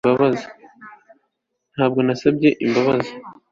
ntabwo nasabye imbabazi